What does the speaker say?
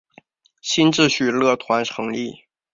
新秩序乐团成立。